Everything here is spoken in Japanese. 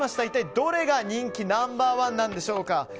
一体どれが人気ナンバー１なんでしょうか。